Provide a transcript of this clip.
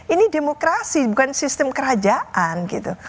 ini demokrasi bukan sistem kerajaan gitu